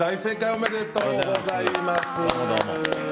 おめでとうございます。